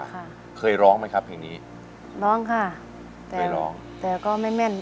ค่ะเคยร้องไหมครับเพลงนี้ร้องค่ะแต่ไม่ร้องแต่ก็ไม่แม่น